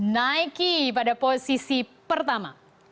nike pada posisi pertama